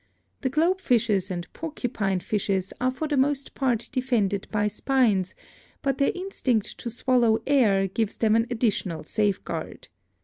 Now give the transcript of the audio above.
The globe fishes and porcupine fishes are for the most part defended by spines, but their instinct to swallow air gives them an addi tional safeguard.